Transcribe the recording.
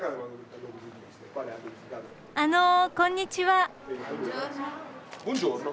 あのこんにちは。